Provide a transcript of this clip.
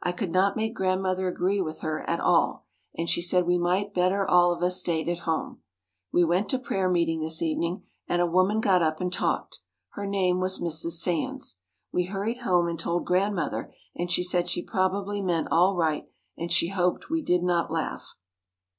I could not make Grandmother agree with her at all and she said we might better all of us stayed at home. We went to prayer meeting this evening and a woman got up and talked. Her name was Mrs. Sands. We hurried home and told Grandmother and she said she probably meant all right and she hoped we did not laugh.